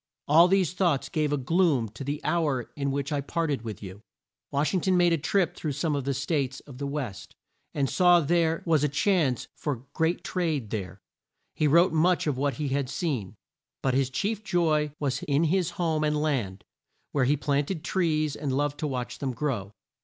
All these thoughts gave a gloom to the hour in which I parted with you." Wash ing ton made a trip through some of the states of the West, and saw there was a chance for great trade there, and he wrote much of what he had seen. But his chief joy was in his home and land, where he planted trees and loved to watch them grow.